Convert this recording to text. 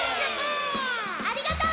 ありがとう！